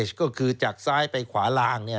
สวัสดีครับคุณผู้ชมค่ะต้อนรับเข้าที่วิทยาลัยศาสตร์